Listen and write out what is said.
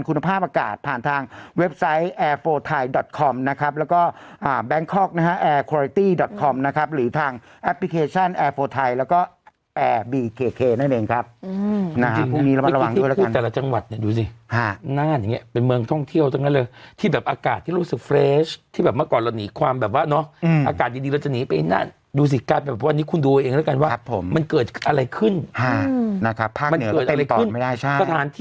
กฤษฎีการพิจารณาเพื่อออกเป็นกฎหมาย